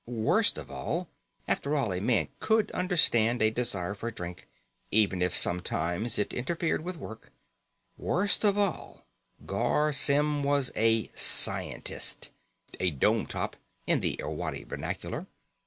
Worst of all after all, a man could understand a desire for drink, even if, sometimes, it interfered with work worst of all, Garr Symm was a scientist, a dome top in the Irwadi vernacular.